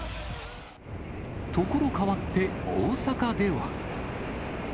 所変わって、大阪では。